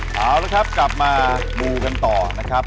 เอาละครับกลับมามูกันต่อนะครับ